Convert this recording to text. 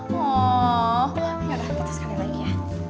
yaudah kita sekali lagi ya